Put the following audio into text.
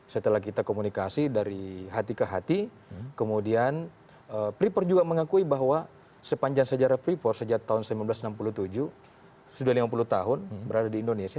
setelah kita komunikasi dari hati ke hati kemudian freeport juga mengakui bahwa sepanjang sejarah freeport sejak tahun seribu sembilan ratus enam puluh tujuh sudah lima puluh tahun berada di indonesia